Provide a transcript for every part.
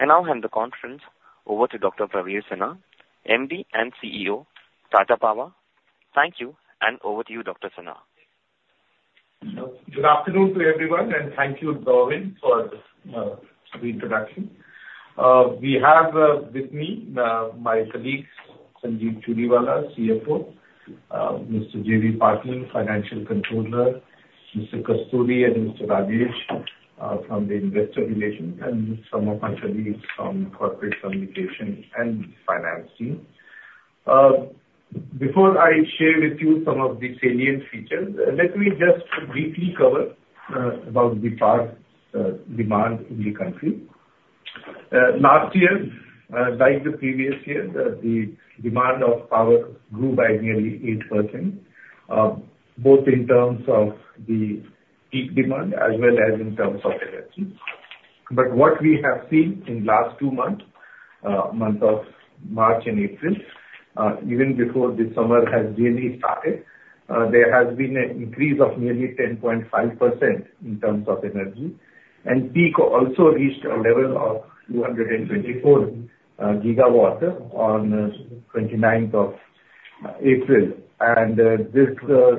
I now hand the conference over to Dr. Praveer Sinha, MD and CEO, Tata Power. Thank you, and over to you, Dr. Sinha. Good afternoon to everyone, and thank you, Gavin, for the introduction. We have with me my colleagues, Sanjeev Churiwala, CFO, Mr. Jigar Patel, Financial Controller, Mr. Kasturi and Mr. Rajesh, from the Investor Relations, and some of my colleagues from Corporate Communication and Finance team. Before I share with you some of the salient features, let me just briefly cover about the power demand in the country. Last year, like the previous year, the demand of power grew by nearly 8%, both in terms of the peak demand as well as in terms of energy. But what we have seen in last 2 months, month of March and April, even before the summer has really started, there has been an increase of nearly 10.5% in terms of energy, and peak also reached a level of 224 GW on 29th of April. And this,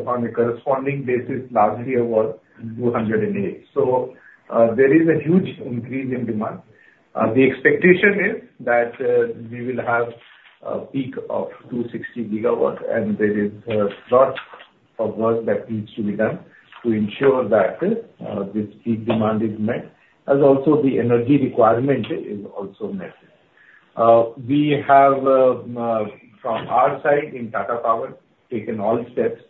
on a corresponding basis, last year was 208. So there is a huge increase in demand. The expectation is that we will have a peak of 260 GW, and there is a lot of work that needs to be done to ensure that this peak demand is met, as also the energy requirement is also met. We have, from our side, in Tata Power, taken all steps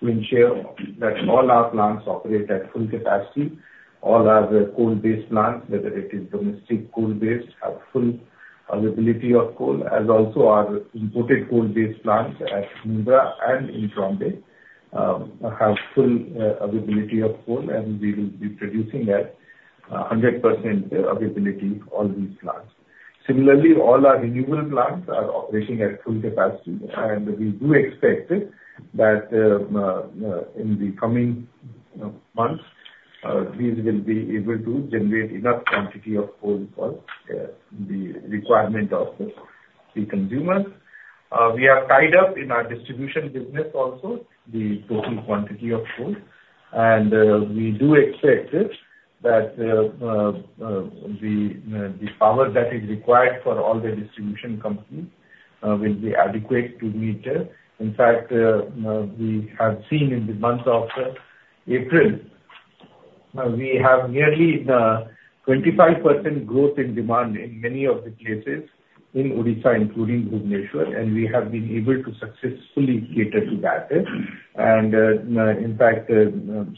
to ensure that all our plants operate at full capacity. All our coal-based plants, whether it is domestic coal-based, have full availability of coal, as also our imported coal-based plants at Mundra and in Mumbai, have full availability of coal, and we will be producing at 100% availability all these plants. Similarly, all our renewable plants are operating at full capacity, and we do expect that in the coming months these will be able to generate enough quantity of coal for the requirement of the consumers. We are tied up in our distribution business also, the total quantity of coal. And we do expect that the power that is required for all the distribution companies will be adequate to meet it. In fact, we have seen in the month of April, we have nearly 25% growth in demand in many of the places in Odisha, including Bhubaneswar, and we have been able to successfully cater to that. And, in fact,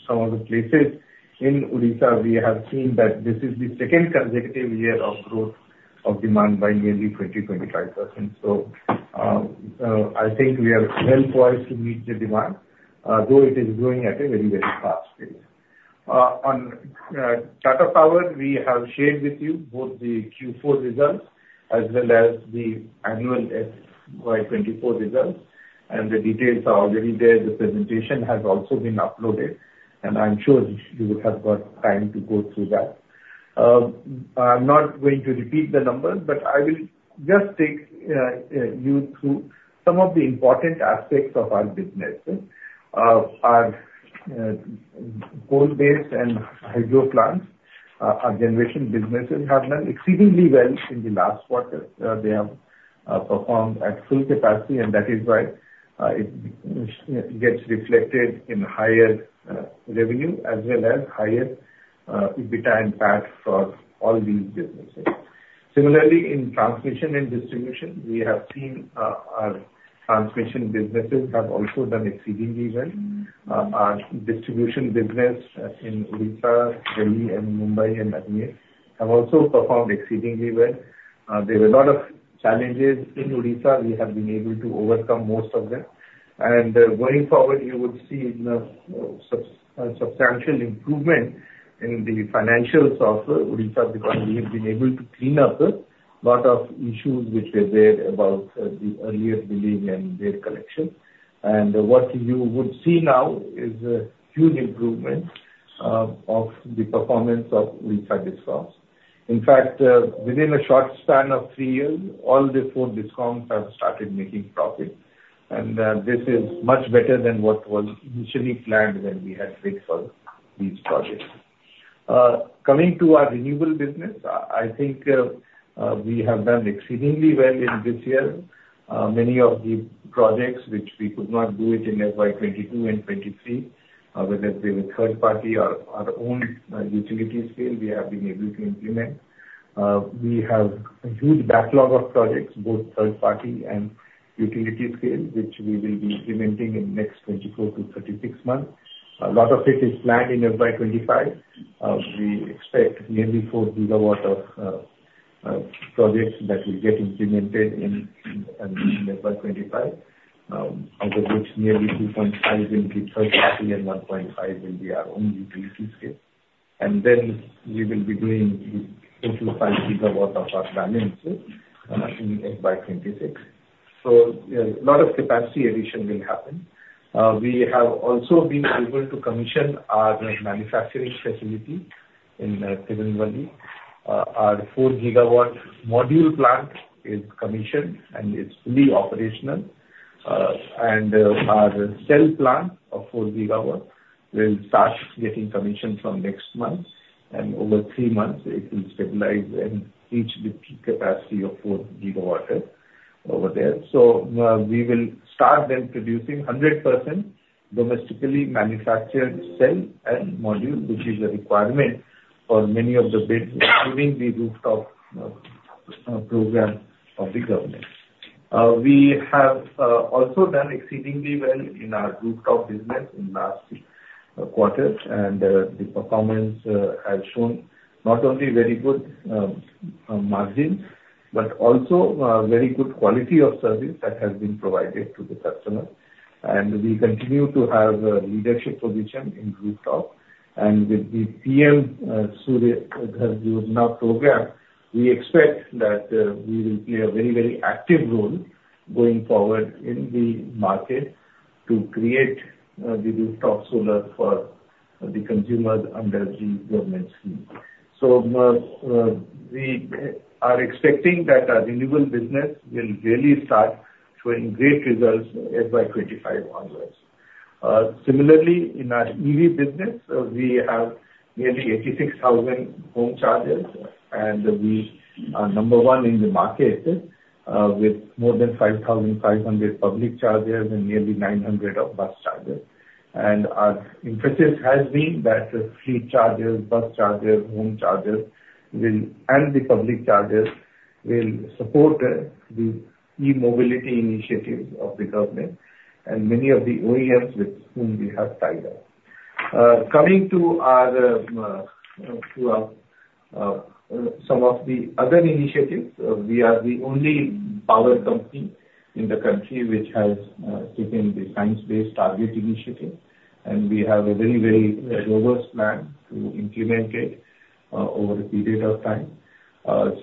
some of the places in Odisha, we have seen that this is the second consecutive year of growth of demand by nearly 20-25%. So, I think we are well poised to meet the demand, though it is growing at a very, very fast pace. On Tata Power, we have shared with you both the Q4 results as well as the annual FY 2024 results, and the details are already there. The presentation has also been uploaded, and I'm sure you would have got time to go through that. I'm not going to repeat the numbers, but I will just take you through some of the important aspects of our business. Our coal-based and hydro plants, our generation businesses have done exceedingly well in the last quarter. They have performed at full capacity, and that is why it gets reflected in higher revenue as well as higher EBITDA and PAT for all these businesses. Similarly, in transmission and distribution, we have seen our transmission businesses have also done exceedingly well. Our distribution business in Odisha, Delhi, and Mumbai, and Chennai have also performed exceedingly well. There were a lot of challenges in Odisha. We have been able to overcome most of them. Going forward, you would see substantial improvement in the financials of Odisha because we have been able to clean up a lot of issues which were there about the earlier billing and debt collection. What you would see now is a huge improvement of the performance of Odisha Discom. In fact, within a short span of three years, all the four Discoms have started making profit, and this is much better than what was initially planned when we had bid for these projects. Coming to our renewable business, I, I think, we have done exceedingly well in this year. Many of the projects which we could not do it in FY 2022 and 2023, whether they were third party or our own utility scale, we have been able to implement. We have a huge backlog of projects, both third party and utility scale, which we will be implementing in next 24-36 months. A lot of it is planned in FY 25. We expect nearly 4 GW of projects that will get implemented in FY 25, out of which nearly 2.5 will be third party and 1.5 will be our own utility scale. And then we will be doing into 5 GW of our planning in FY 26. So, you know, a lot of capacity addition will happen. We have also been able to commission our manufacturing facility in Tirunelveli. Our 4 GW module plant is commissioned and it's fully operational. And, our cell plant of 4 gigawatt will start getting commissioned from next month, and over 3 months it will stabilize and reach the peak capacity of 4 gigawatt over there. So, we will start then producing 100% domestically manufactured cell and module, which is a requirement for many of the bids, including the rooftop, program of the government. We have also done exceedingly well in our rooftop business in last quarters, and, the performance, has shown not only very good margins, but also, very good quality of service that has been provided to the customer. And we continue to have a leadership position in rooftop. And with the PM Surya Ghar Yojana program, we expect that we will play a very, very active role going forward in the market to create the rooftop solar for the consumers under the government scheme. So, we are expecting that our renewable business will really start showing great results as by 25 onwards. Similarly, in our EV business, we have nearly 86,000 home chargers, and we are number one in the market with more than 5,500 public chargers and nearly 900 bus chargers. And our emphasis has been that fleet chargers, bus chargers, home chargers and the public chargers will support the e-mobility initiatives of the government and many of the OEMs with whom we have tied up. Coming to our some of the other initiatives, we are the only power company in the country which has taken the Science Based Targets initiative, and we have a very, very robust plan to implement it over a period of time.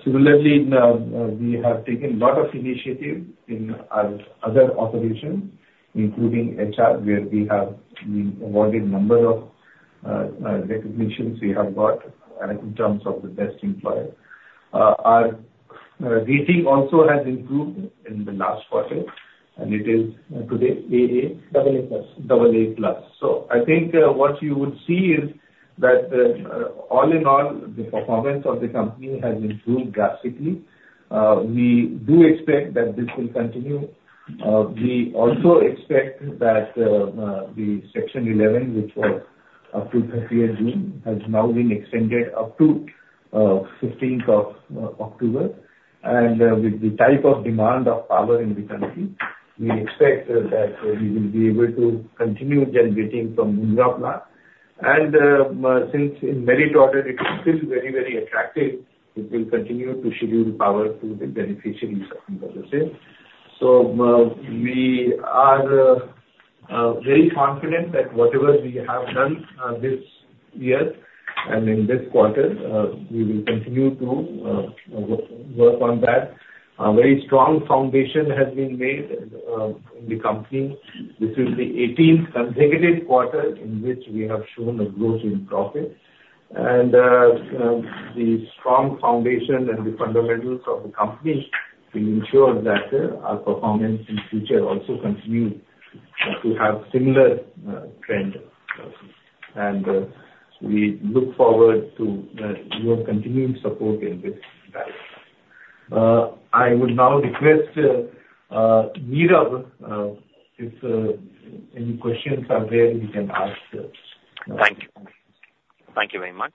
Similarly, now we have taken a lot of initiatives in our other operations, including HR, where we have been awarded number of recognitions we have got, and in terms of the best employer. Our rating also has improved in the last quarter, and it is today AA-. Double A plus. AA+. So I think what you would see is that all in all, the performance of the company has improved drastically. We do expect that this will continue. We also expect that the Section 11, which was up to June 30, has now been extended up to October 15. And with the type of demand of power in the country, we expect that we will be able to continue generating from Mundra plant. And since in merit order it is still very, very attractive, it will continue to schedule power to the beneficiary customers. So we are very confident that whatever we have done this year and in this quarter, we will continue to work on that. A very strong foundation has been made in the company. This is the eighteenth consecutive quarter in which we have shown a growth in profit. And the strong foundation and the fundamentals of the company will ensure that our performance in the future also continue to have similar trend. And we look forward to your continued support in this regard. I would now request Nirav if any questions are there, you can ask. Thank you. Thank you very much.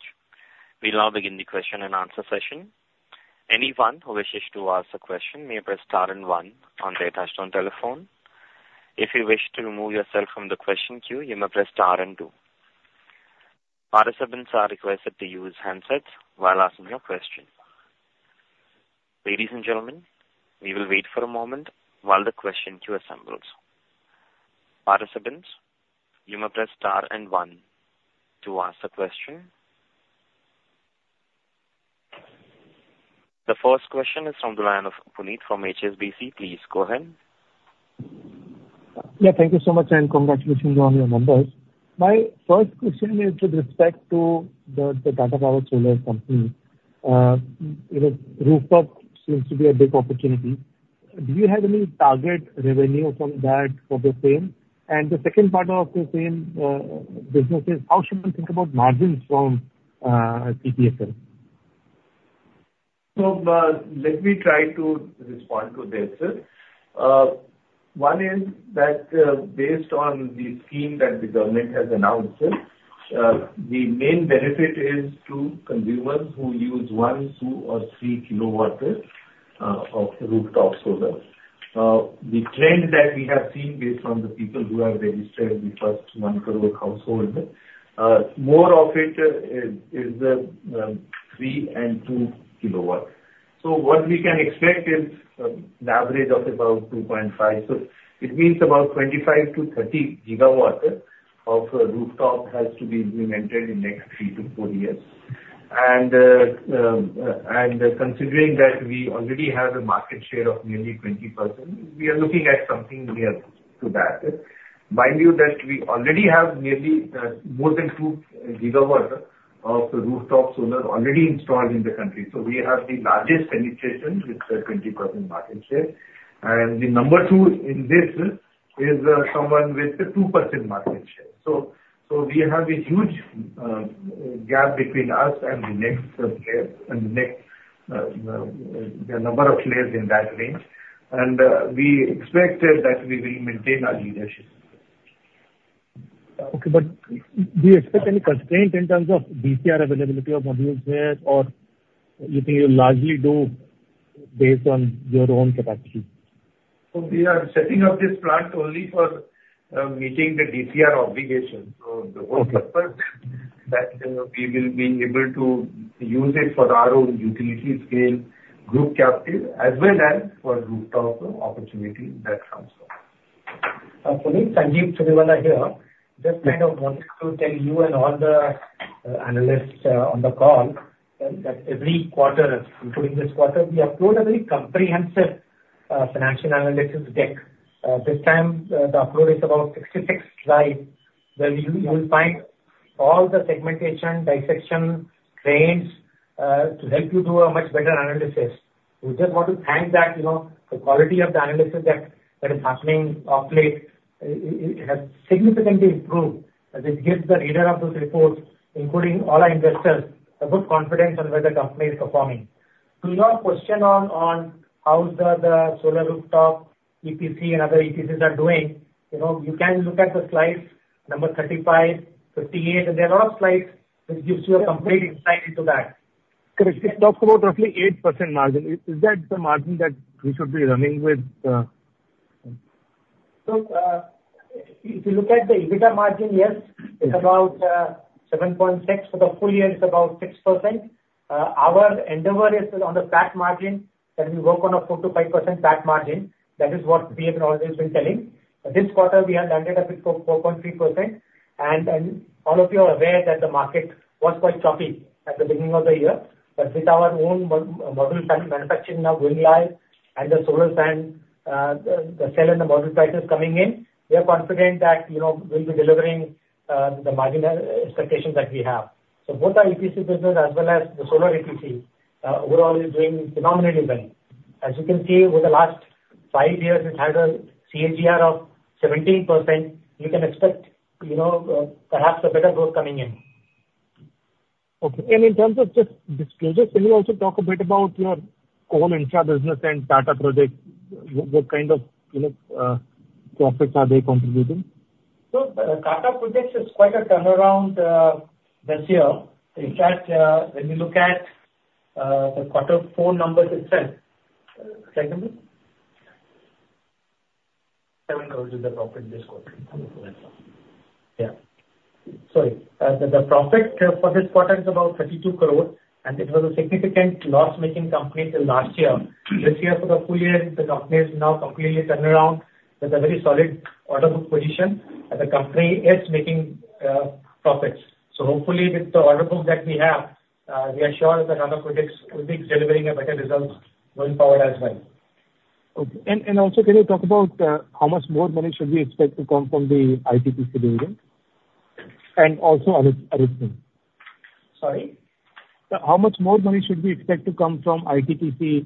We'll now begin the question and answer session. Anyone who wishes to ask a question may press * and one on their touchtone telephone. If you wish to remove yourself from the question queue, you may press * and two. Participants are requested to use handsets while asking your question. Ladies and gentlemen, we will wait for a moment while the question queue assembles. Participants, you may press * and one to ask a question. The first question is from the line of Puneet from HSBC. Please go ahead. Yeah, thank you so much, and congratulations on your numbers. My first question is with respect to the Tata Power Solar Company. You know, rooftop seems to be a big opportunity. Do you have any target revenue from that for the same? And the second part of the same business is, how should we think about margins from TPSSL? So, let me try to respond to this, sir. One is that, based on the scheme that the government has announced, sir, the main benefit is to consumers who use 1, 2, or 3 kW of rooftop solar. The trend that we have seen based on the people who have registered in the first 1 crore household, more of it is 3 and 2 kW. So what we can expect is, the average of about 2.5. So it means about 25-30 GW of rooftop has to be implemented in next 3-4 years.... and considering that we already have a market share of nearly 20%, we are looking at something near to that. Mind you, that we already have nearly more than 2 gigawatts of rooftop solar already installed in the country. So we have the largest penetration, with a 20% market share. And the number two in this is someone with a 2% market share. So we have a huge gap between us and the next, the number of players in that range. And we expect that we will maintain our leadership. Okay, but do you expect any constraint in terms of DCR availability of modules there, or you think you'll largely do based on your own capacity? So we are setting up this plant only for meeting the DCR obligation. Okay. So the whole purpose that we will be able to use it for our own utility scale, group captive, as well as for rooftop opportunity that comes from. Puneet, Sanjeev Churiwala here. Just kind of wanted to tell you and all the analysts on the call that every quarter, including this quarter, we upload a very comprehensive financial analysis deck. This time the upload is about 66 slides, where you will find all the segmentation, dissection, trends to help you do a much better analysis. We just want to thank that, you know, the quality of the analysis that is happening of late, it has significantly improved, as it gives the reader of those reports, including all our investors, a good confidence on where the company is performing. To your question on how the solar rooftop, EPC and other EPCs are doing, you know, you can look at the slides number 35, 58, and there are a lot of slides which gives you a complete insight into that. Correct. It talks about roughly 8% margin. Is that the margin that we should be running with? So, if you look at the EBITDA margin, yes, it's about 7.6. For the full year, it's about 6%. Our endeavor is on the PAT margin, that we work on a 4%-5% PAT margin. That is what we have always been telling. This quarter, we have landed up with 4.3%. And all of you are aware that the market was quite choppy at the beginning of the year. But with our own module manufacturing now going live and the solar cell, the cell and the module prices coming in, we are confident that, you know, we'll be delivering the margin expectations that we have. So both our EPC business as well as the solar EPC overall is doing phenomenally well. As you can see, over the last five years, it's had a CAGR of 17%. You can expect, you know, perhaps a better growth coming in. Okay. And in terms of just disclosures, can you also talk a bit about your core infra business and Tata Projects? What kind of, you know, profits are they contributing? So the Tata Projects is quite a turnaround, this year. In fact, when you look at, the quarter four numbers itself. Pardon me? 7 crore is the profit this quarter. Yeah. Sorry. The profit for this quarter is about 32 crore, and it was a significant loss-making company till last year. This year, for the full year, the company is now completely turned around with a very solid order book position, and the company is making profits. So hopefully, with the order books that we have, we are sure that Tata Projects will be delivering better results going forward as well. Okay. And, and also, can you talk about, how much more money should we expect to come from the ITPC dividend? And also Agreement. Sorry? So how much more money should we expect to come from ITPC,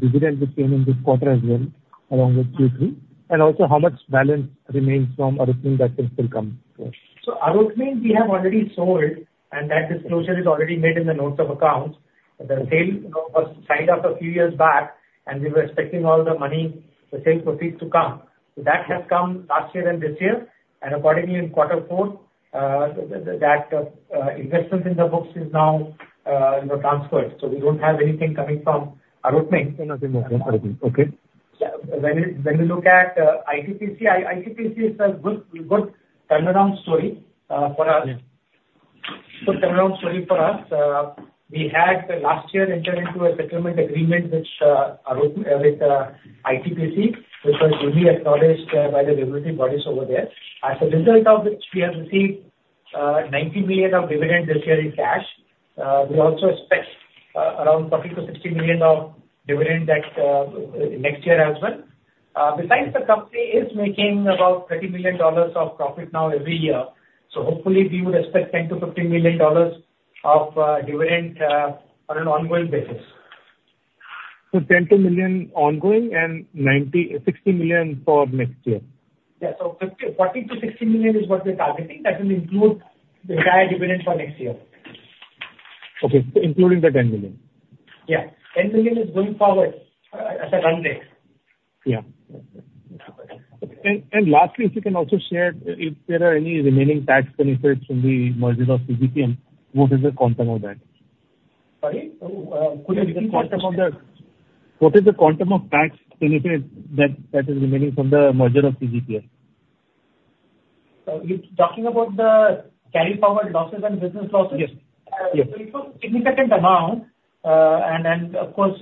dividend, which came in this quarter as well, along with Q3? And also, how much balance remains from Agreement that can still come through? So Agreement, we have already sold, and that disclosure is already made in the notes of accounts. The sale was signed off a few years back, and we were expecting all the money, the sale proceeds, to come. So that has come last year and this year, and accordingly, in quarter four, that investment in the books is now, you know, transferred. So we don't have anything coming from Agreement. Nothing more from Agreement. Okay. Yeah. When we look at ITPC, ITPC is a good, good turnaround story for us. Yeah. Good turnaround story for us. We had last year entered into a settlement agreement, which Agreement with ITPC, which was duly acknowledged by the regulatory bodies over there. As a result of which, we have received $90 million of dividend this year in cash. We also expect around $40 million-$60 million of dividend that next year as well. Besides, the company is making about $30 million of profit now every year. So hopefully, we would expect $10 million-$15 million of dividend on an ongoing basis. So 10.10 million ongoing and 90.60 million for next year? Yeah. So 40 million-60 million is what we're targeting. That will include the entire dividend for next year. Okay, so including the 10 million? Yeah. 10 million is going forward as a run rate. Yeah. And, and lastly, if you can also share, if there are any remaining tax benefits from the merger of CGPL, what is the quantum of that? Sorry? Could you repeat the question? What is the quantum of that? What is the quantum of tax benefit that is remaining from the merger of CGPL? You're talking about the carry forward losses and business losses? Yes. Yes. It's a significant amount. And then, of course,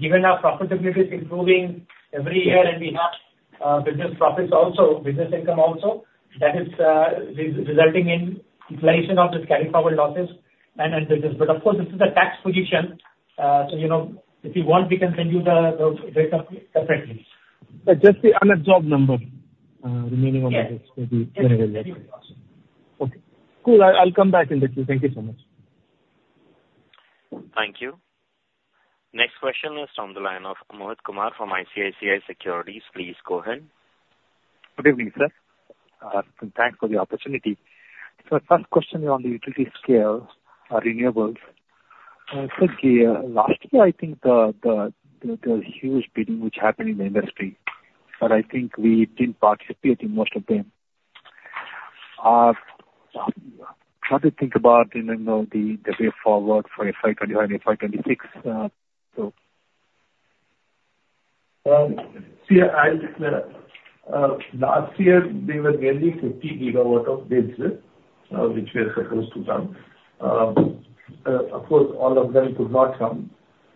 given our profitability is improving every year, and we have business profits also, business income also, that is, resulting in inflation of the carrying forward losses and business. But of course, this is a tax position, so, you know, if you want, we can send you the break up separately. But just the unabsorbed number, the remaining one- Yes. Will be very well. Okay. Cool, I'll come back in the queue. Thank you so much. Thank you. Next question is from the line of Mohit Kumar from ICICI Securities. Please go ahead. Good evening, sir. And thanks for the opportunity. So first question on the utility scale renewables. So the last year, I think the huge bidding which happened in the industry, but I think we didn't participate in most of them. What do you think about, you know, the way forward for FY 2025 and FY 2026, so? Last year there were nearly 50 GW of bids which were supposed to come. Of course, all of them could not come.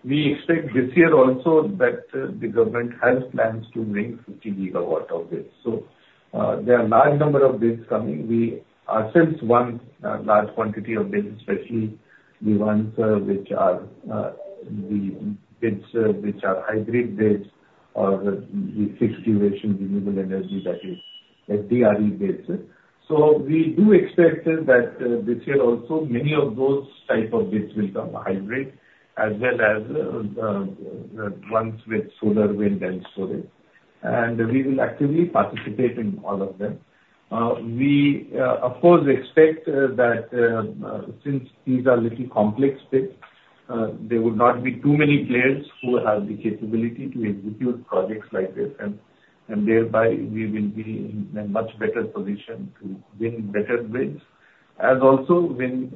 We expect this year also that the government has plans to bring 50 GW of this. So, there are large number of bids coming. We are since one large quantity of bids, especially the ones which are the bids which are hybrid bids or the firm and dispatchable renewable energy, that is FDRE bids. So we do expect that this year also, many of those type of bids will come hybrid, as well as ones with solar, wind and storage. And we will actively participate in all of them. We, of course, expect that since these are little complex bids, there would not be too many players who have the capability to execute projects like this, and thereby we will be in a much better position to win better bids and also win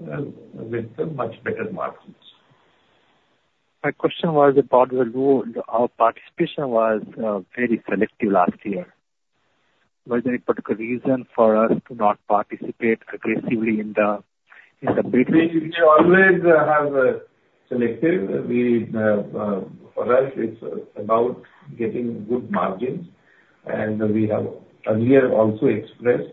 with the much better margins. My question was about the role. Our participation was very selective last year. Was there any particular reason for us to not participate aggressively in the bid? We always have selective. For us, it's about getting good margins. And we have earlier also expressed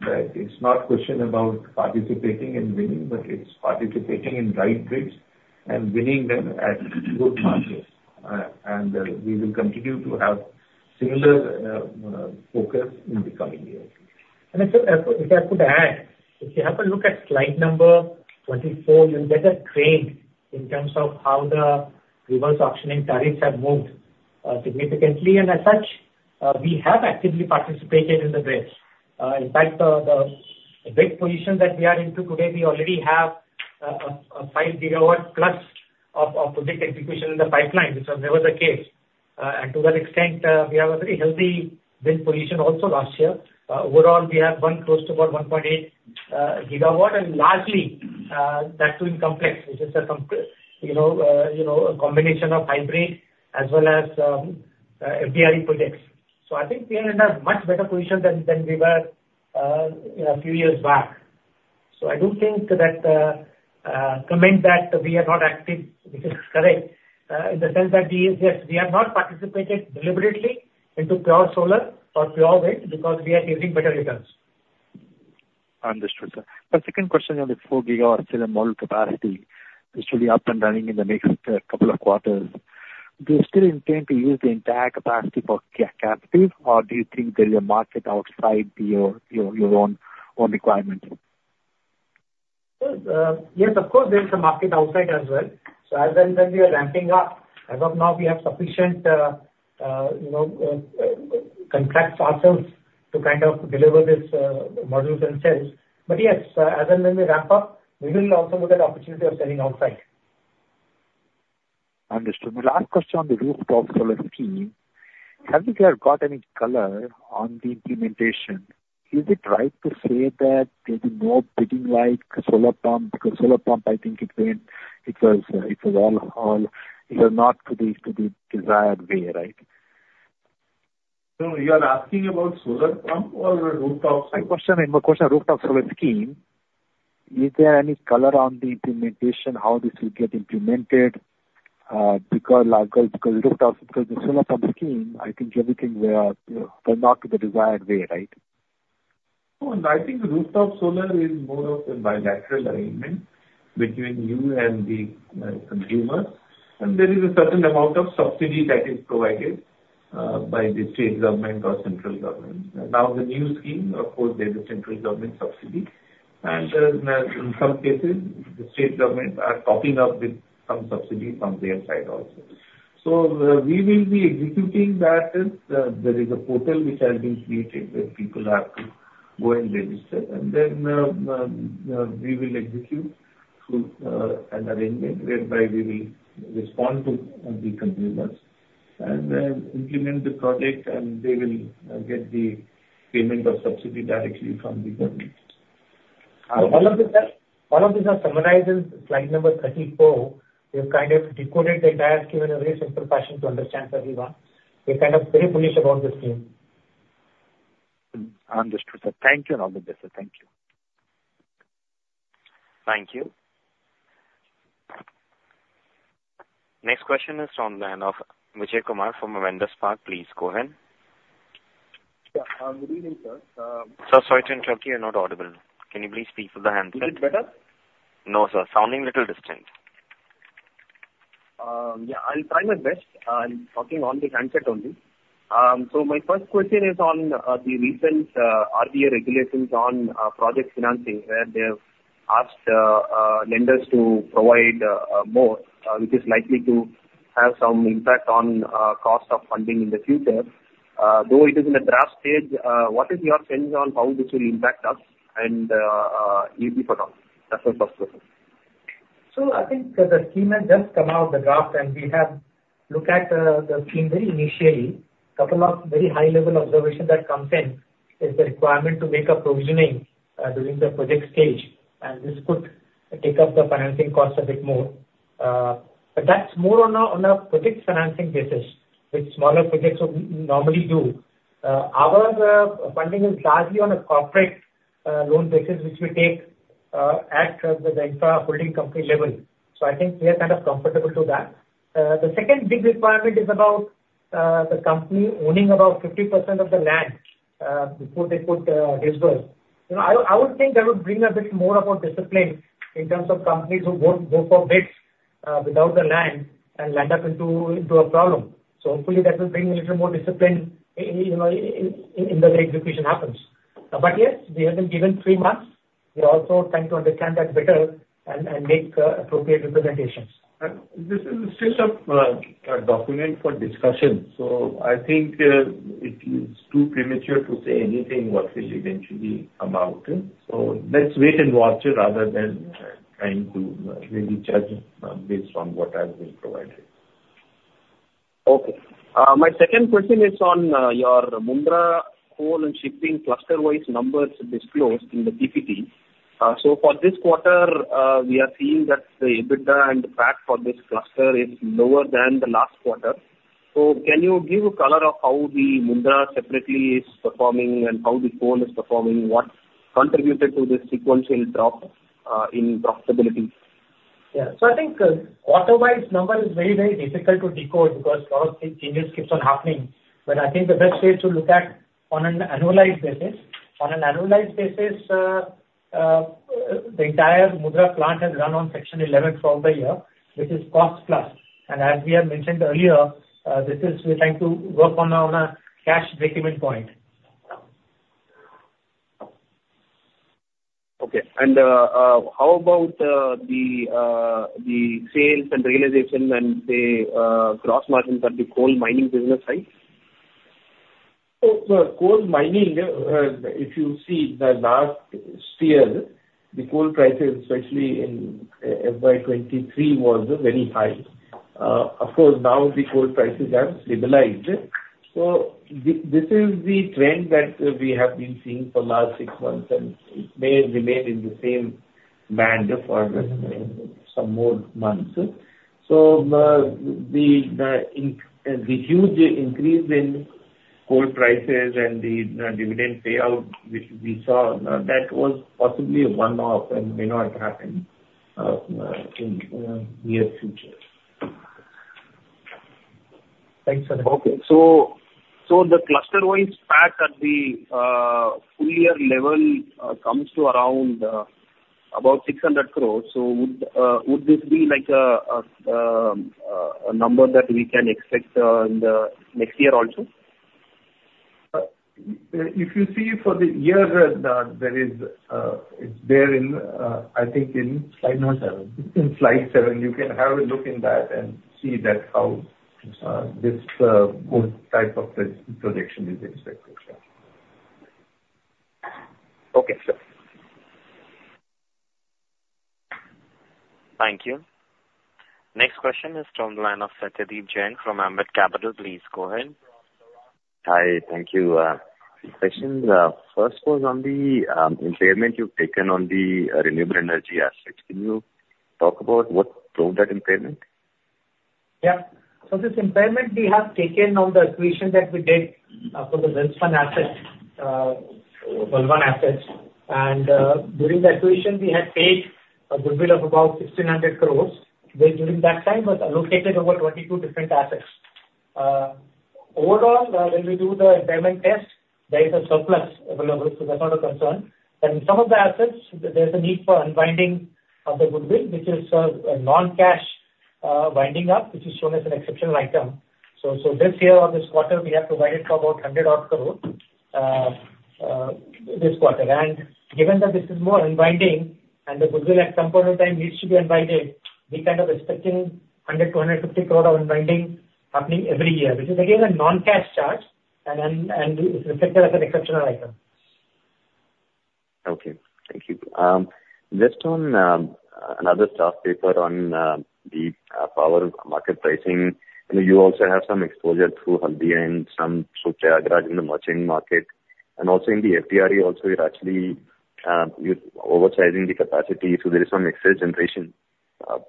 that it's not question about participating and winning, but it's participating in right bids and winning them at good margins. And we will continue to have similar focus in the coming years. If I could add, if you have a look at slide number 24, you'll get a trend in terms of how the reverse auction tariffs have moved significantly. As such, we have actively participated in the bids. In fact, the bid position that we are into today, we already have a 5 GW+ of project execution in the pipeline, which was never the case. And to that extent, we have a very healthy bid position also last year. Overall, we have won close to about 1.8 GW, and largely that being complex, which is a combination of hybrid as well as FDRE projects. So I think we are in a much better position than we were a few years back. So I do think that comment that we are not active, which is correct, in the sense that we are, yes, we have not participated deliberately into pure solar or pure wind, because we are getting better returns. Understood, sir. The second question on the 4 GW solar module capacity, which will be up and running in the next couple of quarters. Do you still intend to use the entire capacity for captive, or do you think there is a market outside your own requirement? Well, yes, of course, there is a market outside as well. So as and when we are ramping up, as of now, we have sufficient, you know, contracts ourselves to kind of deliver this modules and cells. But yes, as and when we ramp up, we will also get an opportunity of selling outside. Understood. My last question on the rooftop solar scheme, have you guys got any color on the implementation? Is it right to say that there will be more bidding like solar pump, because solar pump, I think it went, it was all, you know, not to the desired way, right? You are asking about solar pump or the rooftop solar? My question, rooftop solar scheme. Is there any color on the implementation, how this will get implemented? Because like, because rooftop, because the solar pump scheme, I think everything were not to the desired way, right? No, I think rooftop solar is more of a bilateral arrangement between you and the consumer. And there is a certain amount of subsidy that is provided by the state government or central government. Now, the new scheme, of course, there's a central government subsidy, and in some cases, the state government are topping up with some subsidy from their side also. So, we will be executing that. There is a portal which has been created, where people have to go and register, and then, we will execute through an arrangement, whereby we will respond to the consumers and implement the project, and they will get the payment of subsidy directly from the government. All of these are summarized in slide number 34. We've kind of decoded the entire scheme in a very simple fashion to understand for everyone. We're kind of very bullish about this scheme. Understood, sir. Thank you, and all the best, sir. Thank you. Thank you. Next question is from the line of Vijay Kumar from Avendus Spark. Please go ahead. Yeah, good evening, sir. Sir, sorry to interrupt you, you're not audible. Can you please speak with the handset? Is it better? No, sir. Sounding a little distant. Yeah, I'll try my best. I'm talking on the handset only. So my first question is on the recent RBI regulations on project financing, where they have asked lenders to provide more, which is likely to have some impact on cost of funding in the future. Though it is in the draft stage, what is your opinion on how this will impact us, and you before all? That's my first question. So I think the scheme has just come out, the draft, and we have looked at the scheme very initially. A couple of very high-level observations that come in is the requirement to make a provisioning during the project stage, and this could take up the financing cost a bit more. But that's more on a project financing basis, which smaller projects would normally do. Our funding is largely on a corporate loan basis, which we take at the infra holding company level. So I think we are kind of comfortable to that. The second big requirement is about the company owning about 50% of the land before they could disburse. You know, I would think that would bring about a bit more discipline in terms of companies who go for bids without the land and end up in a problem. So hopefully, that will bring a little more discipline, you know, in the way execution happens. But yes, we have been given three months. We're also trying to understand that better and make appropriate representations. This is still a document for discussion, so I think it is too premature to say anything what will eventually come out. Let's wait and watch rather than trying to really judge based on what has been provided. Okay. My second question is on your Mundra coal and shipping cluster-wise numbers disclosed in the PPT. So for this quarter, we are seeing that the EBITDA and the PAT for this cluster is lower than the last quarter. So can you give a color of how the Mundra separately is performing and how the coal is performing? What contributed to this sequential drop in profitability? Yeah. So I think quarter-wise number is very, very difficult to decode because a lot of things, changes keeps on happening. But I think the best way to look at on an annualized basis. On an annualized basis, the entire Mundra plant has run on Section 11 for the year, which is cost plus. And as we have mentioned earlier, this is, we're trying to work on a cash breakeven point. Okay. How about the sales and realization and the gross margins at the coal mining business side? So, coal mining, if you see the last year, the coal prices, especially in FY 2023, was very high. Of course, now the coal prices have stabilized. So this is the trend that we have been seeing for last six months, and it may remain in the same manner for some more months. So, the huge increase in coal prices and the dividend payout which we saw, that was possibly a one-off and may not happen in near future. Thanks a lot. Okay. So the cluster-wise fact at the full year level comes to around about 600 crore. So would this be like a number that we can expect in the next year also? If you see for the year, there is, it's there in, I think in slide number 7. In slide 7, you can have a look in that and see that how this good type of pre-projection is expected, sir. Okay, sir. Thank you. Next question is from the line of Satyadeep Jain from Ambit Capital. Please go ahead. Hi. Thank you. Two questions. First was on the impairment you've taken on the renewable energy assets. Can you talk about what drove that impairment? Yeah. So this impairment we have taken on the acquisition that we did for the Welspun assets, Walwhan assets. And during the acquisition, we had paid a goodwill of about 1,600 crore, where during that time was allocated over 22 different assets. Overall, when we do the impairment test, there is a surplus available, so that's not a concern. But in some of the assets, there, there's a need for unwinding of the goodwill, which is a non-cash write-down, which is shown as an exceptional item. So this year or this quarter, we have provided for about 100 crore this quarter. Given that this is more unbinding, and the goodwill at some point in time needs to be unbinded, we're kind of expecting 100 crore-150 crore of unbinding happening every year, which is again a non-cash charge and is reflected as an exceptional item. Okay. Thank you. Just on another staff paper on the power market pricing, and you also have some exposure through Haldia and some through Nayagaon in the merchant market, and also in the FDRE also, you're actually you're oversizing the capacity, so there is some excess generation.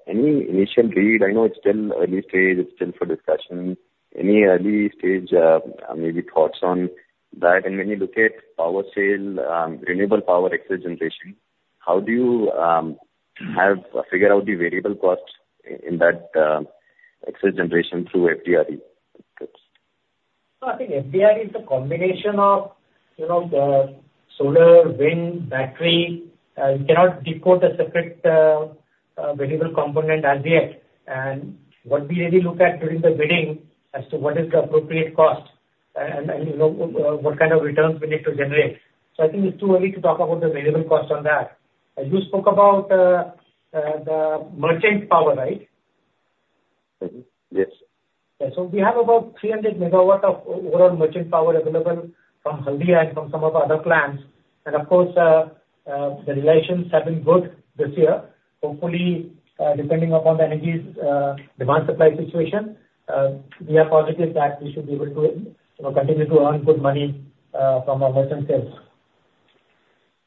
Any initial read? I know it's still early stage, it's still for discussion. Any early stage maybe thoughts on that? And when you look at power sale, renewable power excess generation?...How do you have figure out the variable costs in that excess generation through FDRE? No, I think FDRE is a combination of, you know, solar, wind, battery. You cannot decode a separate variable component as yet. And what we really look at during the bidding as to what is the appropriate cost and, you know, what kind of returns we need to generate. So I think it's too early to talk about the variable cost on that. And you spoke about the merchant power, right? Mm-hmm. Yes. Yeah. So we have about 300 MW of overall merchant power available from Haldia and from some of our other plants. And of course, the relations have been good this year. Hopefully, depending upon the energy, demand/supply situation, we are positive that we should be able to, you know, continue to earn good money, from our merchant sales.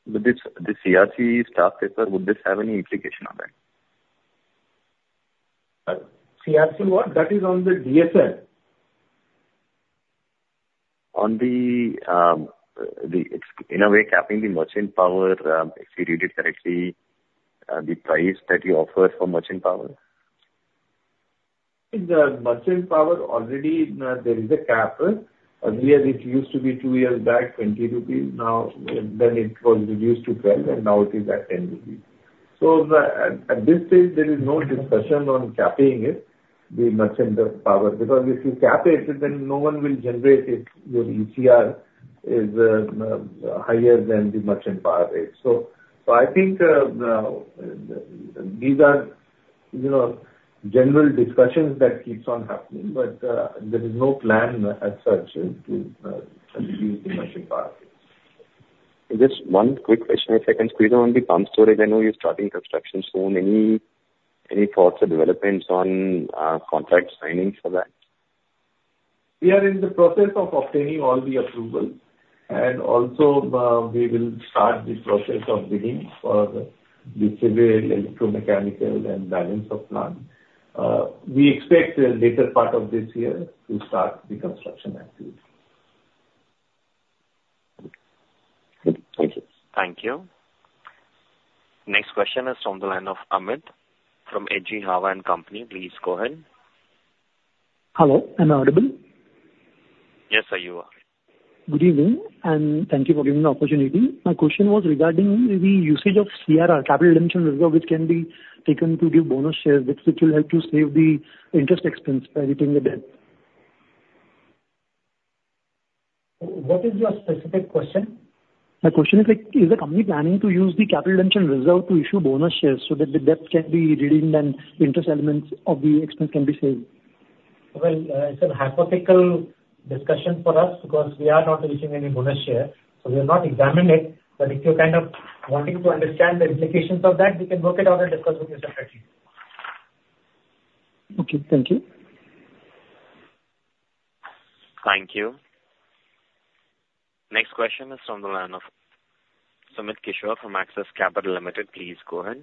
But this, the CERC staff paper, would this have any implication on that? CERC what? That is on the DSM. On the, it's in a way capping the merchant power, if we read it correctly, the price that you offer for merchant power. The merchant power already, there is a cap. Earlier, it used to be two years back, 20 rupees. Now, then it was reduced to 12, and now it is at 10 rupees. So at this stage, there is no discussion on capping it, the merchant power. Because if you cap it, then no one will generate it, your ECR is higher than the merchant power rate. So I think now these are, you know, general discussions that keeps on happening, but there is no plan as such to reduce the merchant power. Just one quick question, if I can, please, on the pumped storage, I know you're starting construction soon. Any thoughts or developments on contract signing for that? We are in the process of obtaining all the approval, and also, we will start the process of bidding for the civil, electromechanical, and balance of plant. We expect the later part of this year to start the construction activity. Good. Thank you. Thank you. Next question is from the line of Amit from SMIFS Limited. Please go ahead. Hello, am I audible? Yes, sir, you are. Good evening, and thank you for giving the opportunity. My question was regarding the usage of CRR, Capital Redemption Reserve, which can be taken to give bonus shares, which will help to save the interest expense by reducing the debt. What is your specific question? My question is, like, is the company planning to use the capital redemption reserve to issue bonus shares so that the debt can be redeemed and interest elements of the expense can be saved? Well, it's a hypothetical discussion for us, because we are not issuing any bonus share, so we have not examined it. But if you're kind of wanting to understand the implications of that, we can look at all and discuss with you separately. Okay, thank you. Thank you. Next question is from the line of Sumit Kishore from Axis Capital Limited. Please go ahead.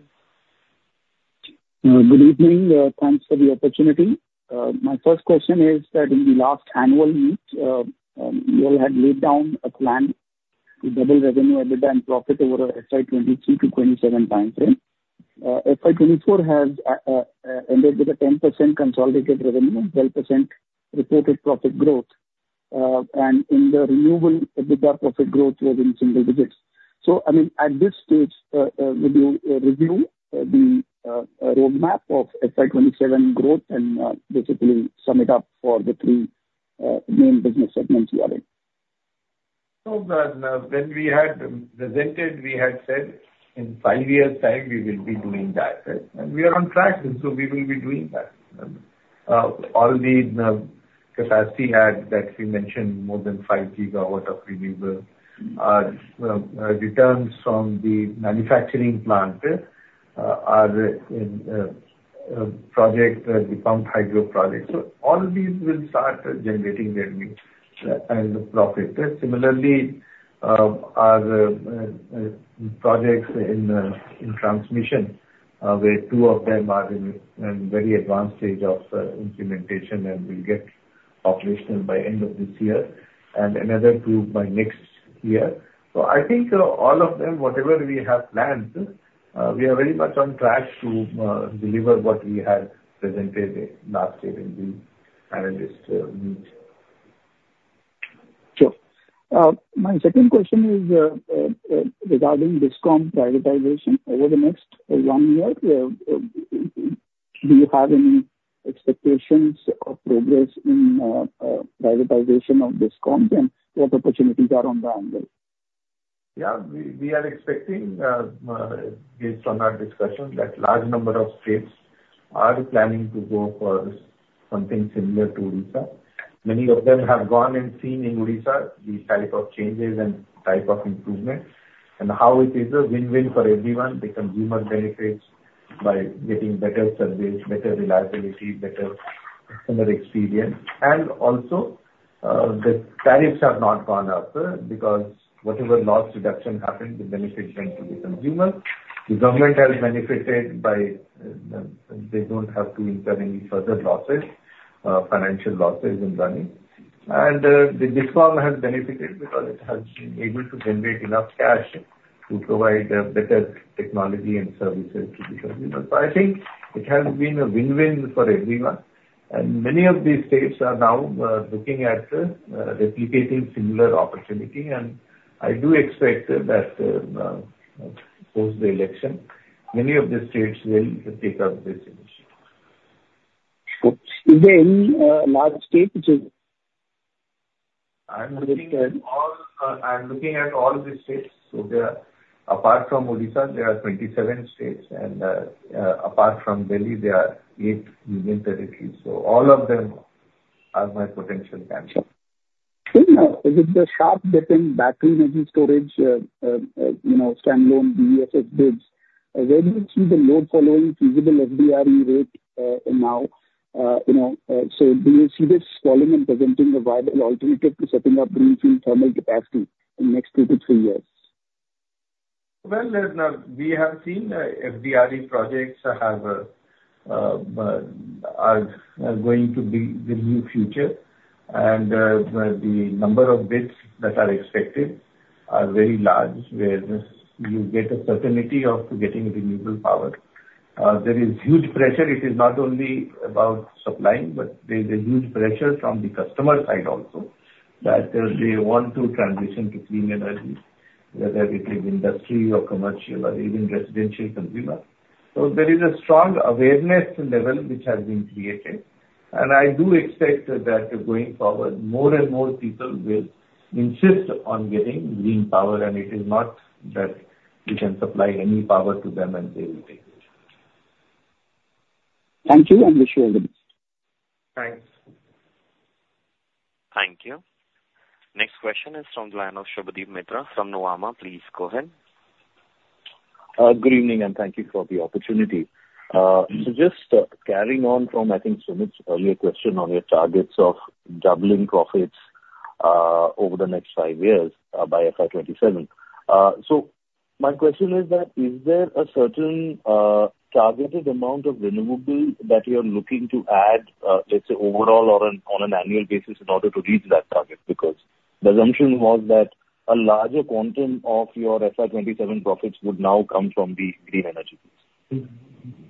Good evening. Thanks for the opportunity. My first question is that in the last annual meet, you all had laid down a plan to double revenue, EBITDA, and profit over a FY 2023 to 2027 time frame. FY 2024 has ended with a 10% consolidated revenue and 12% reported profit growth. And in the renewable EBITDA profit growth was in single digits. So, I mean, at this stage, would you review the roadmap of FY 2027 growth and basically sum it up for the three main business segments you are in? So, when we had presented, we had said in 5 years' time, we will be doing that, right? And we are on track, and so we will be doing that. All the capacity add that we mentioned, more than 5 gigawatt of renewable returns from the manufacturing plant are in project, the pumped hydro project. So all these will start generating the revenue and the profit. Similarly, our projects in transmission, where 2 of them are in very advanced stage of implementation and will get operational by end of this year and another 2 by next year. So I think, all of them, whatever we have planned, we are very much on track to deliver what we had presented last year in the analyst meet. Sure. My second question is regarding DISCOM privatization over the next one year. Do you have any expectations or progress in privatization of DISCOMs, and what opportunities are on the angle? Yeah, we are expecting, based on our discussion, that large number of states are planning to go for something similar to Odisha. Many of them have gone and seen in Odisha the type of changes and type of improvements, and how it is a win-win for everyone. The consumer benefits by getting better service, better reliability, better customer experience. And also, the tariffs have not gone up, because whatever loss reduction happened, the benefit went to the consumer. The government has benefited by, they don't have to incur any further losses, financial losses in running.... And, the DISCOM has benefited because it has been able to generate enough cash to provide, better technology and services to the consumer. So I think it has been a win-win for everyone, and many of these states are now looking at replicating similar opportunity, and I do expect that post the election, many of the states will take up this initiative. Oops! Is there any large state which is- I'm looking at all the states. So there, apart from Odisha, there are 27 states, and apart from Delhi, there are eight union territories, so all of them are my potential customers. So, you know, with the sharp dip in battery energy storage, you know, standalone BESS bids, where do you see the load following feasible FDRE rate, now? You know, so do you see this falling and presenting a viable alternative to setting up new green thermal capacity in the next two to three years? Well, now, we have seen FDRE projects are going to be the new future. And, the number of bids that are expected are very large, where this, you get a certainty of getting renewable power. There is huge pressure. It is not only about supplying, but there is a huge pressure from the customer side also, that they want to transition to clean energy, whether it is industry or commercial or even residential consumer. So there is a strong awareness level which has been created, and I do expect that going forward, more and more people will insist on getting green power, and it is not that we can supply any power to them and they will take it. Thank you, and wish you all the best. Thanks. Thank you. Next question is from the line of Subhadip Mitra from Nuvama, please go ahead. Good evening, and thank you for the opportunity. So just carrying on from, I think, Sumit's earlier question on your targets of doubling profits over the next five years by FY 2027. So my question is that, is there a certain targeted amount of renewable that you are looking to add, let's say, overall or on, on an annual basis in order to reach that target? Because the assumption was that a larger quantum of your FY 2027 profits would now come from the green energy boost.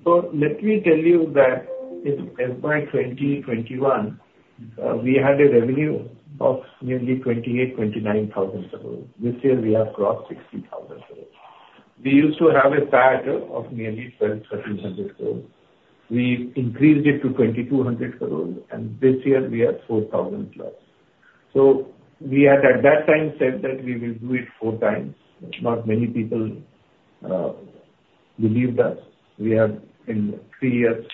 So let me tell you that in FY 2021, we had a revenue of nearly 28,000-29,000 crore. This year, we have crossed 60,000 crore. We used to have a CapEx of nearly 1,200-1,300 crore. We increased it to 2,200 crore, and this year we are 4,000+ crore. So we had, at that time, said that we will do it 4 times. Not many people believed us. We have, in 3 years,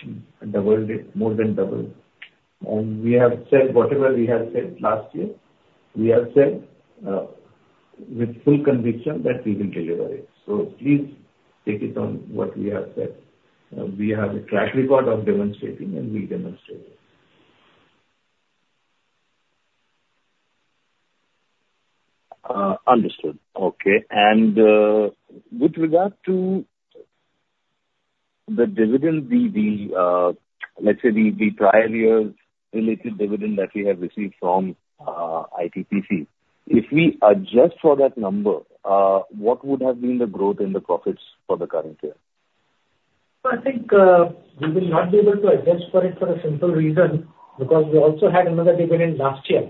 doubled it, more than doubled. And we have said whatever we have said last year, we have said with full conviction that we will deliver it. So please take it on what we have said. We have a track record of demonstrating, and we demonstrate it. Understood. Okay. And with regard to the dividend, let's say the prior year's related dividend that we have received from ITPC. If we adjust for that number, what would have been the growth in the profits for the current year? So I think we will not be able to adjust for it for a simple reason, because we also had another dividend last year.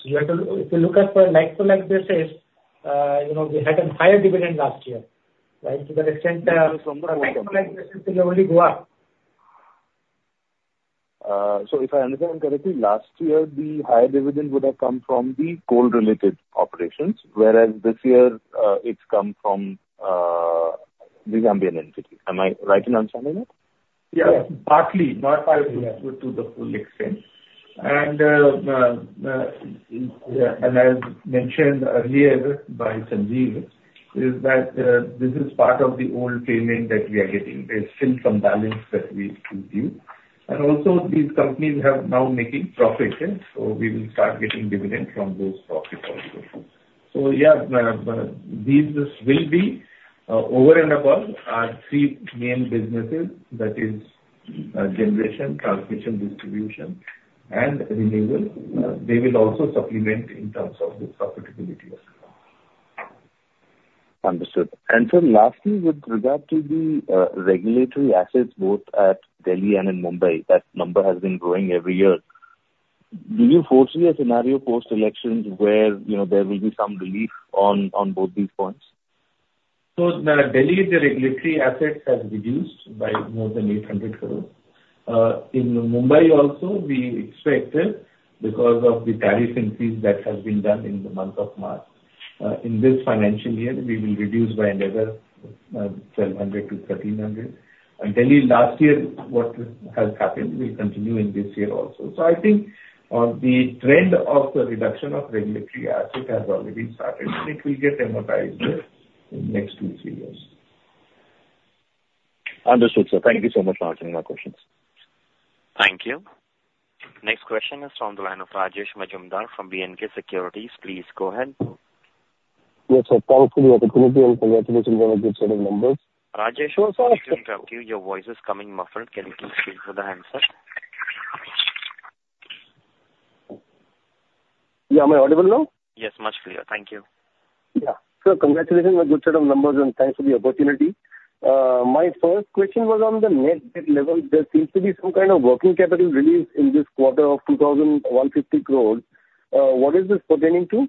So you have to, if you look at for a like-to-like basis, you know, we had a higher dividend last year, right? To that extent, like basis will only go up. So if I understand correctly, last year, the higher dividend would have come from the coal-related operations, whereas this year, it's come from the Zambian entity. Am I right in understanding that? Yeah, partly. Not quite- Yeah... to the full extent. And as mentioned earlier by Sanjeev, this is part of the old payment that we are getting. There's still some balance that we give. And also, these companies are now making profits, so we will start getting dividends from those profits also. So yeah, these will be over and above our three main businesses, that is, generation, transmission, distribution, and renewable. They will also supplement in terms of the profitability as well. Understood. Sir, lastly, with regard to the regulatory assets both at Delhi and in Mumbai, that number has been growing every year. Do you foresee a scenario post-elections where, you know, there will be some relief on, on both these points? So, Delhi, the regulatory assets has reduced by more than 800 crore. In Mumbai also, we expect, because of the tariff increase that has been done in the month of March, in this financial year, we will reduce by another, 1,200 crore-1,300 crore. And Delhi, last year, what has happened will continue in this year also. So I think, the trend of the reduction of regulatory asset has already started, and it will get amortized in the next 2-3 years. Understood, sir. Thank you so much for answering my questions. Thank you. Next question is from the line of Rajesh Majumdar from B&K Securities. Please go ahead. ... Yes, sir, thanks for the opportunity and congratulations on a good set of numbers. Rajesh- Sure, sir. We can hear you, your voice is coming muffled. Can you please hold the handset? Yeah. Am I audible now? Yes, much clearer. Thank you. Yeah. So congratulations on good set of numbers, and thanks for the opportunity. My first question was on the net debt level. There seems to be some kind of working capital release in this quarter of 2,150 crores. What is this pertaining to?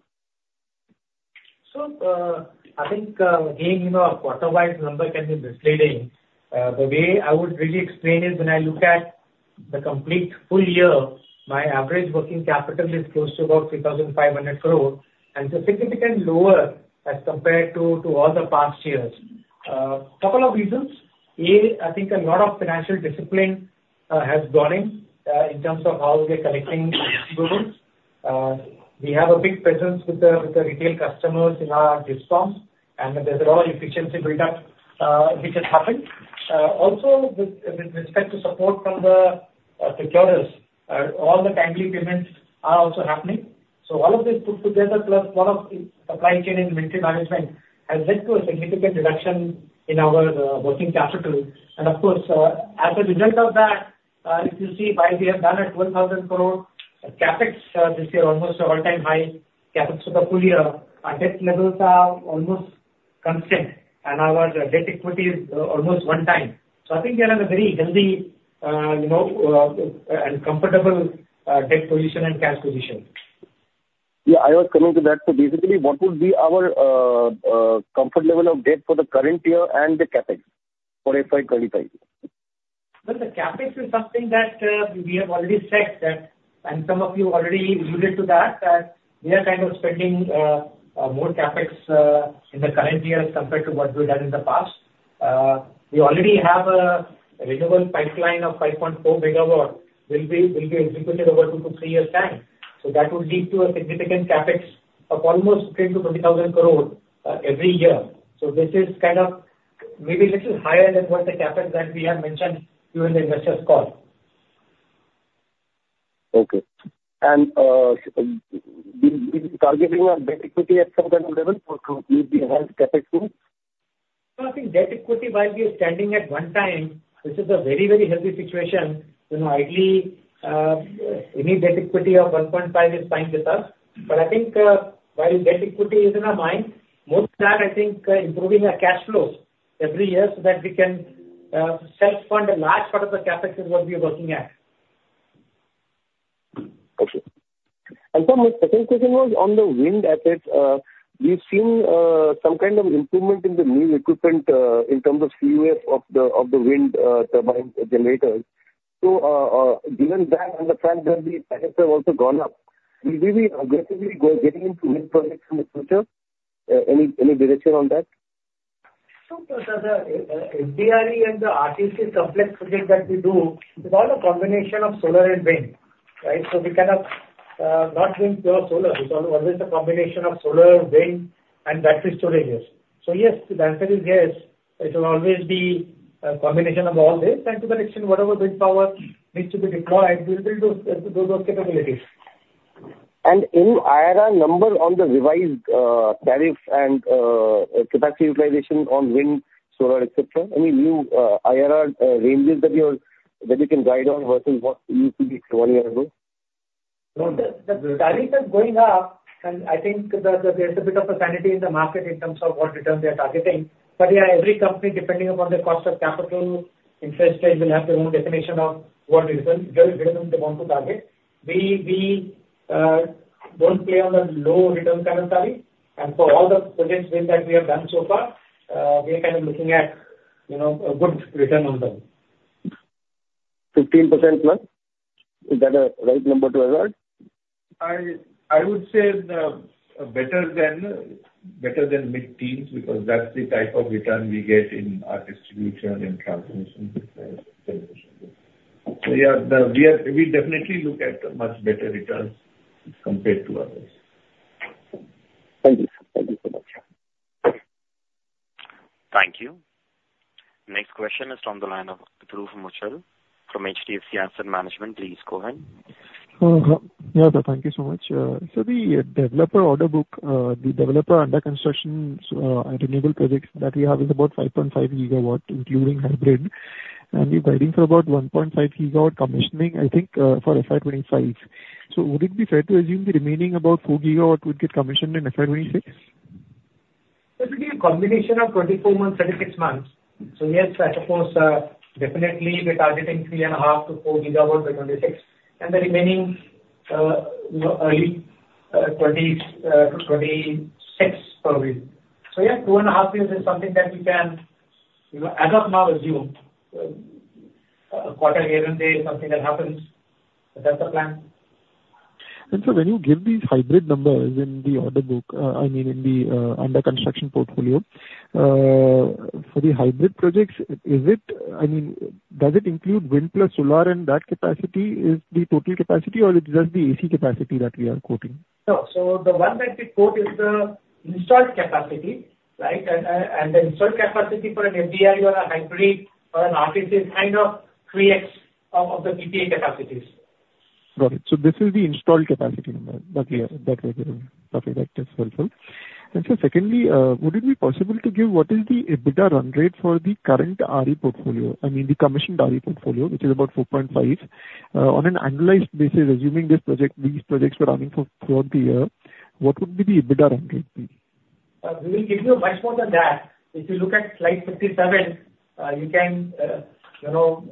So, I think, again, you know, quarter-wide number can be misleading. The way I would really explain is when I look at the complete full year, my average working capital is close to about 3,500 crore, and so significantly lower as compared to, to all the past years. Couple of reasons: A, I think a lot of financial discipline has gone in, in terms of how we are collecting receivables. We have a big presence with the, with the retail customers in our discoms, and there's an overall efficiency buildup, which has happened. Also, with, with respect to support from the, securers, all the timely payments are also happening. So all of this put together, plus lot of supply chain and inventory management, has led to a significant reduction in our, working capital. Of course, as a result of that, if you see, while we have done 12,000 crore CapEx this year, almost an all-time high CapEx for the full year, our debt levels are almost constant, and our debt equity is almost 1 time. So I think we are at a very healthy, you know, and comfortable debt position and cash position. Yeah, I was coming to that. So basically, what would be our comfort level of debt for the current year and the CapEx for FY 25? Well, the CapEx is something that, we have already said that, and some of you already alluded to that, that we are kind of spending, more CapEx, in the current year compared to what we've done in the past. We already have a renewable pipeline of 5.4 GW, will be, will be executed over 2-3 years' time. So that would lead to a significant CapEx of almost 10,000-20,000 crore, every year. So this is kind of maybe little higher than what the CapEx that we have mentioned during the investors call. Okay. And, do you target, you know, debt equity at some kind of level for to meet the high CapEx too? No, I think debt equity, while we are standing at 1:1, this is a very, very healthy situation. You know, ideally, any debt equity of 1.5 is fine with us. But I think, while debt equity is in our mind, more than that, I think, improving our cash flows every year so that we can self-fund a large part of the CapEx is what we are working at. Okay. Sir, my second question was on the wind assets. We've seen some kind of improvement in the new equipment in terms of CUF of the wind turbine generators. So, given that and the fact that the CapEx have also gone up, will we be aggressively getting into wind projects in the future? Any direction on that? The FDRE and the RTC complex project that we do, it's all a combination of solar and wind, right? So we cannot not doing pure solar. It's always a combination of solar, wind and battery storage areas. So yes, the answer is yes. It will always be a combination of all this, and to that extent, whatever wind power needs to be deployed, we'll build those capabilities. In IRR number on the revised tariff and capacity utilization on wind, solar, et cetera, any new IRR ranges that you can guide on versus what it used to be one year ago? No, the tariffs are going up, and I think the, there's a bit of a sanity in the market in terms of what returns they are targeting. But, yeah, every company, depending upon their cost of capital, interest rate, will have their own definition of what return, where they want to target. We don't play on the low return ten tariff, and for all the projects wind that we have done so far, we are kind of looking at, you know, a good return on them. 15% plus? Is that a right number to hazard? I would say better than mid-teens, because that's the type of return we get in our distribution and transmission generation. So yeah, we are... We definitely look at much better returns compared to others. Thank you. Thank you so much. Thank you. Next question is from the line of Dhruv Muchhal from HDFC Asset Management. Please go ahead. Yeah, sir, thank you so much. So the development order book, the development under construction at renewable projects that we have is about 5.5 GW, including hybrid, and we're guiding for about 1.5 GW commissioning, I think, for FY 2025. So would it be fair to assume the remaining about 4 GW would get commissioned in FY 2026? It will be a combination of 24 months, 36 months. So yes, I suppose, definitely we are targeting 3.5-4 gigawatts by 2026, and the remaining, you know, early 2020 to 2026 probably. So yeah, 2.5 years is something that we can, you know, as of now, assume. Quarter here and there, something that happens. That's the plan. When you give these hybrid numbers in the order book, I mean, in the under construction portfolio, for the hybrid projects, is it... I mean, does it include wind plus solar, and that capacity is the total capacity, or it's just the AC capacity that we are quoting? No. So the one that we quote is the installed capacity, right? And the installed capacity for an FDRE or a hybrid or an RTC is kind of 3x of the PTA capacities.... Got it. So this is the installed capacity number, that clear. Okay, that is helpful. And so secondly, would it be possible to give what is the EBITDA run rate for the current RE portfolio? I mean, the commissioned RE portfolio, which is about 4.5. On an annualized basis, assuming this project, these projects were running for throughout the year, what would be the EBITDA run rate be? We will give you much more than that. If you look at slide 57, you can, you know-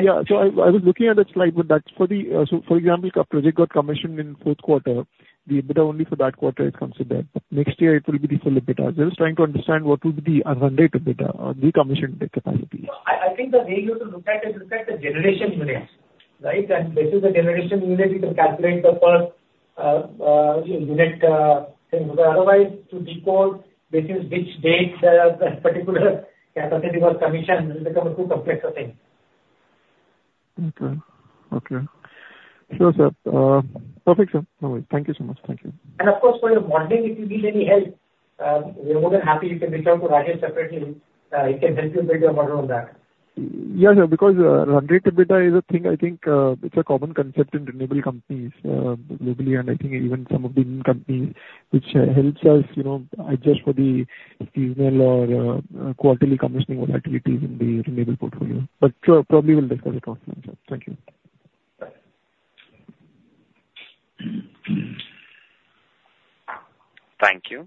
Yeah. So I was looking at the slide, but that's for the, so for example, a project got commissioned in fourth quarter, the EBITDA only for that quarter is considered. Next year it will be the full EBITDA. Just trying to understand what will be the run rate EBITDA on the commissioned capacity. I, I think the way you have to look at it is look at the generation units, right? And based on the generation units, you can calculate the first unit thing. Otherwise, to decode which is which dates a particular capacity was commissioned, it become a too complex a thing. Okay. Okay. Sure, sir. Perfect, sir. Thank you so much. Thank you. Of course, for your modeling, if you need any help, we're more than happy. You can reach out to Rahul separately, he can help you build your model on that. Yeah, sir, because, run rate EBITDA is a thing I think, it's a common concept in renewable companies, globally, and I think even some of the Indian companies, which, helps us, you know, adjust for the seasonal or, quarterly commissioning or activities in the renewable portfolio. But sure, probably we'll discuss it offline, sir. Thank you. Bye. Thank you.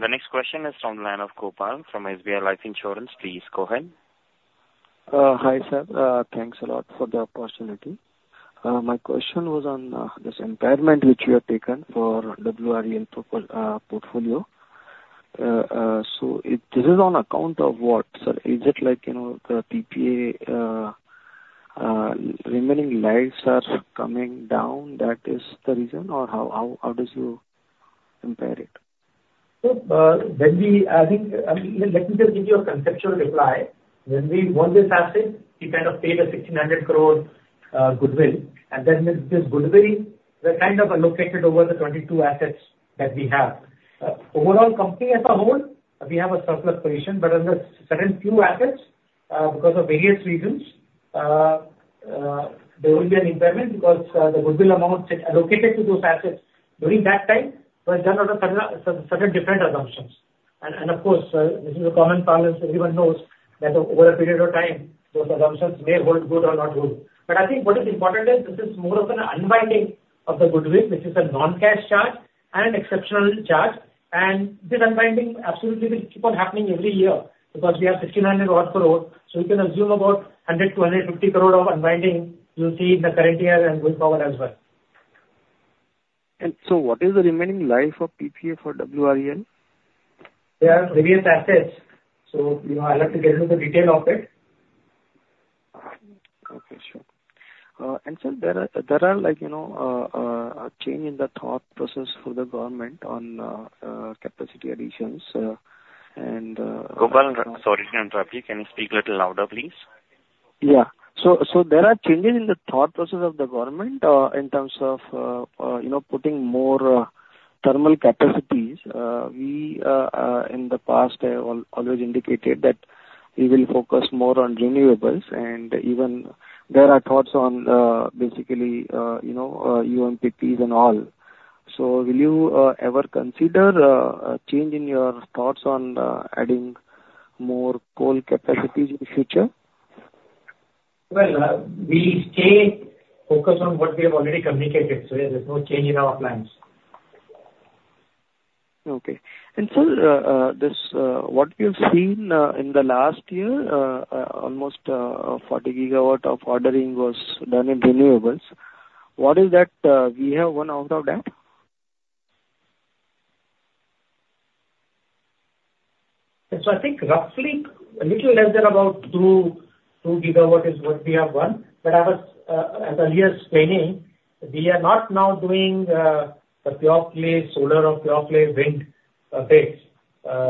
The next question is from the line of Gopal from SBI Life Insurance. Please go ahead. Hi, sir. Thanks a lot for the opportunity. My question was on this impairment which you have taken for WREL portfolio. So this is on account of what, sir? Is it like, you know, the PPA remaining lives are coming down, that is the reason? Or how do you impair it? So, when we... I think, I mean, let me just give you a conceptual reply. When we won this asset, we kind of paid 1,600 crore goodwill. And then this goodwill, we kind of allocated over the 22 assets that we have. Overall company as a whole, we have a surplus position, but on the certain few assets, because of various reasons, there will be an impairment because the goodwill amount allocated to those assets during that time was done on a certain different assumptions. And of course, this is a common practice. Everyone knows that over a period of time, those assumptions may hold good or not hold. But I think what is important is this is more of an unwinding of the goodwill, which is a non-cash charge and exceptional charge. This unwinding absolutely will keep on happening every year because we have 1,600 odd crores, so you can assume about 100-250 crore of unwinding; you'll see in the current year and going forward as well. What is the remaining life of PPA for WREL? There are various assets, so, you know, I'll have to get into the detail of it. Okay, sure. And sir, there are like, you know, a change in the thought process for the government on capacity additions, and Gopal, sorry, can you speak a little louder, please? Yeah. So, so there are changes in the thought process of the government, in terms of, you know, putting more, thermal capacities. We, in the past have always indicated that we will focus more on renewables, and even there are thoughts on, basically, you know, UMPPs and all. So will you, ever consider, a change in your thoughts on, adding more coal capacities in the future? Well, we stay focused on what we have already communicated, so there's no change in our plans. Okay. And sir, this, what we have seen, in the last year, almost 40 GW of ordering was done in renewables. What is that, we have won out of that? And so I think roughly, a little less than about 2.2 GW is what we have won. But I was as earlier explaining, we are not now doing the pure play solar or pure play wind bids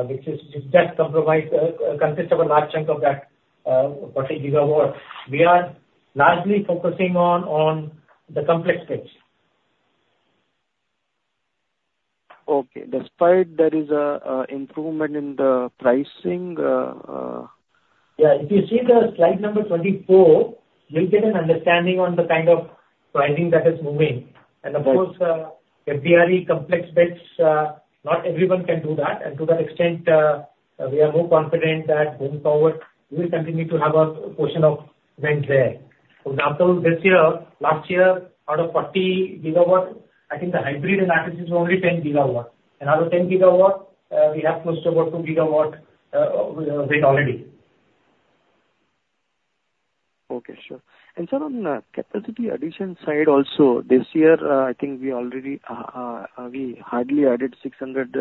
which does consist of a large chunk of that 40 GW. We are largely focusing on the complex bids. Okay. Despite there is an improvement in the pricing. Yeah, if you see the slide number 24, you'll get an understanding on the kind of pricing that is moving. Right. Of course, FDRE complex bids, not everyone can do that. To that extent, we are more confident that going forward, we will continue to have a portion of wind there. For example, this year, last year, out of 40 GW, I think the hybrid and batteries is only 10 GW. And out of 10 GW, wind already. Okay, sure. And sir, on, capacity addition side also, this year, I think we already, we hardly added 600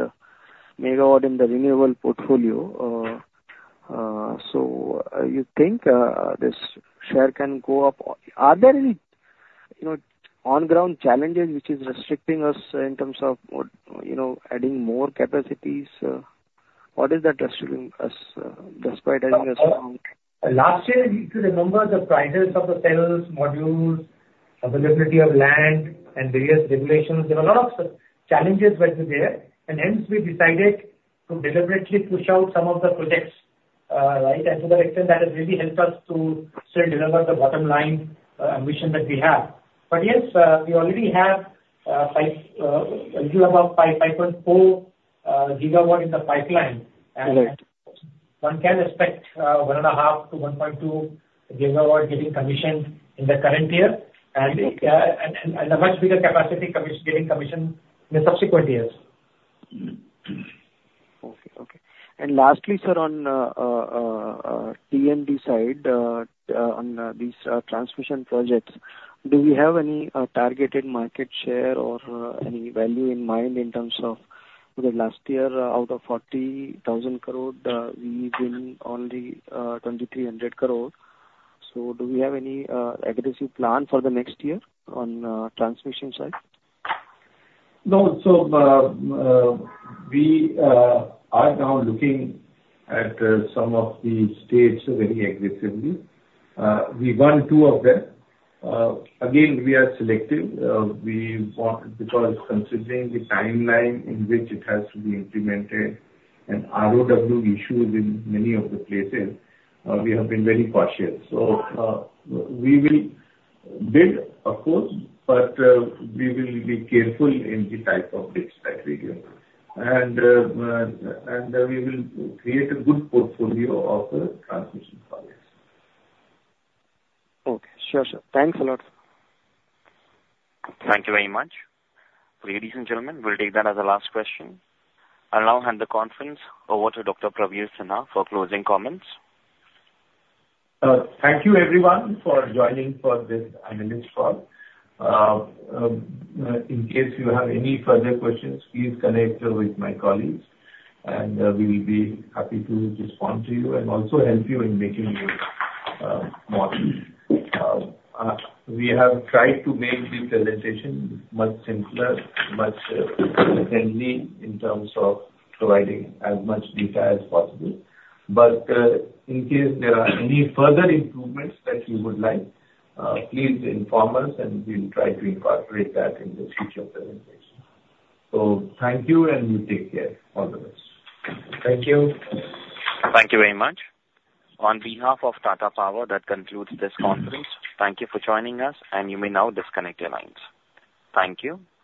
MW in the renewable portfolio. So, you think, this share can go up? Are there any, you know, on-ground challenges which is restricting us in terms of what, you know, adding more capacities? What is that restricting us, despite having this amount? Last year, if you remember the prices of the cells, modules-... availability of land and various regulations, there were lots of challenges were there, and hence we decided to deliberately push out some of the projects, right? And to that extent, that has really helped us to still deliver the bottom line ambition that we have. But yes, we already have 5, little above 5, 5.4 GW in the pipeline. Correct. One can expect 1.5-1.2 GW getting commissioned in the current year, and a much bigger capacity getting commissioned in the subsequent years. Okay, okay. And lastly, sir, on T&D side, on these transmission projects, do we have any targeted market share or any value in mind in terms of the last year, out of 40,000 crore, we've been only 2,300 crore. So do we have any aggressive plan for the next year on transmission side? No. So, we are now looking at some of the states very aggressively. We won two of them. Again, we are selective. We want, because considering the timeline in which it has to be implemented and ROW issues in many of the places, we have been very cautious. So, we will bid, of course, but we will be careful in the type of. And we will create a good portfolio of the transmission projects. Okay. Sure, sir. Thanks a lot. Thank you very much. Ladies and gentlemen, we'll take that as a last question. I'll now hand the conference over to Dr. Praveer Sinha for closing comments. Thank you everyone for joining for this analyst call. In case you have any further questions, please connect with my colleagues, and we will be happy to respond to you and also help you in making your model. We have tried to make the presentation much simpler, much friendly, in terms of providing as much detail as possible. But in case there are any further improvements that you would like, please inform us, and we'll try to incorporate that in the future presentations. So thank you, and you take care. All the best. Thank you. Thank you very much. On behalf of Tata Power, that concludes this conference. Thank you for joining us, and you may now disconnect your lines. Thank you.